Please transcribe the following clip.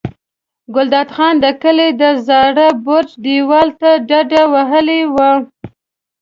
ګلداد خان د کلي د زاړه برج دېوال ته ډډه وهلې وه.